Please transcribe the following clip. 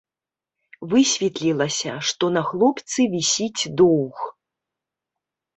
Высветлілася, што на хлопцы вісіць доўг.